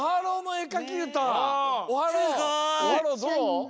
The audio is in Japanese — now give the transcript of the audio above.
オハローどう？